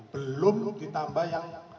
belum ditambah yang